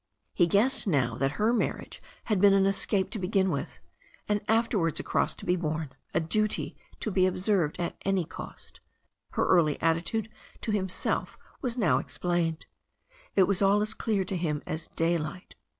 He guessed now that her marriage had been an escape to begin with, and afterwards a cross to be borne, a duty to be observed at any cost. Her early attitude to himself was now explained. It was all as clear to him as daylight.